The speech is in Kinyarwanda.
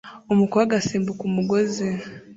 Umukobwa asimbuka umugozi